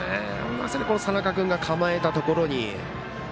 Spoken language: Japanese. まさに佐仲君が構えたところに。